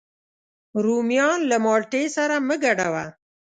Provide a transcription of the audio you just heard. رومیان له مالټې سره مه ګډوه